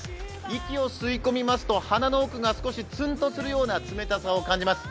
息を吸い込みますと鼻の奥が少しツンとするような寒さを感じます。